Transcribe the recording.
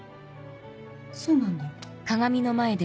そうなんだ。